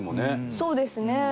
そうですね。